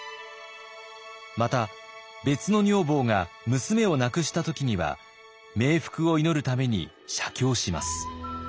また別の女房が娘を亡くした時には冥福を祈るために写経します。